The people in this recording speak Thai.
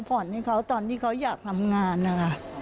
ผ่อนให้เขาตอนที่เขาอยากทำงานนะคะ